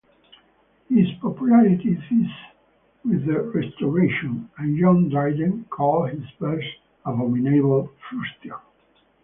His popularity ceased with the Restoration, and John Dryden called his verse abominable fustian.